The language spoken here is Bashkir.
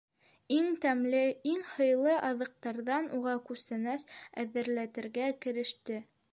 Иң тәмле, иң һыйлы аҙыҡтарҙан уға күстәнәс әҙерләтергә кереште.